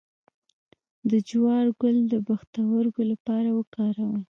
د جوار ګل د پښتورګو لپاره وکاروئ